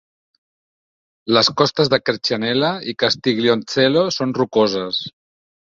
Les costes de Quercianella i Castiglioncello són rocoses.